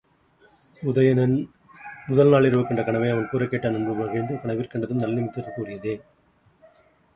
உதயணன் முதல் நாளிரவு கண்ட கனவை அவன் கூறக்கேட்ட நண்பர் மகிழ்ந்து, கனவிற் கண்டதும் நல் நிமித்தத்திற்கு உரியதே.